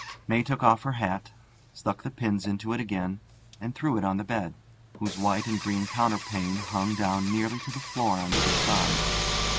May took off her hat, stuck the pins into it again, and threw it on the bed, whose white and green counterpane hung down nearly to the floor on either side.